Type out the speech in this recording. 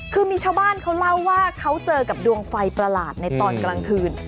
คือมีชาวบ้านเขาเล่าว่าเขาเจอกับดวงไฟประหลาดในตอนกลางคืน